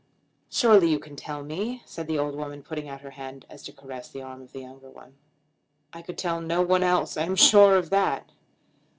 "Surely you can tell me," said the old woman, putting out her hand so as to caress the arm of the younger one. "I could tell no one else; I am sure of that.